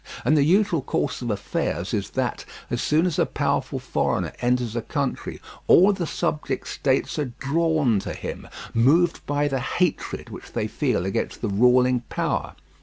And the usual course of affairs is that, as soon as a powerful foreigner enters a country, all the subject states are drawn to him, moved by the hatred which they feel against the ruling power.